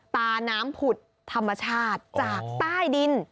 ตาน้ำผุดธรรมชาติจากใต้ดิน